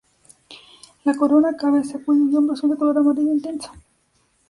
La corona, cabeza, cuello y hombros son de color amarillo intenso.